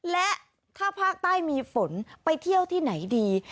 และถ้าภาคใต้มีฝนไปเที่ยวที่ไหนดี